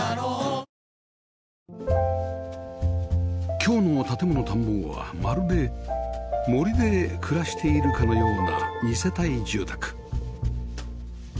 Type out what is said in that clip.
今日の『建もの探訪』はまるで森で暮らしているかのような二世帯住宅